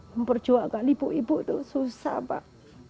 memperjuangkan ibu ibu itu susah pak